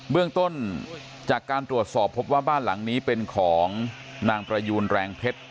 เรื่องต้นจากการตรวจสอบพบว่าบ้านหลังนี้เป็นของนางประยูนแรงเพชร